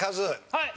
はい！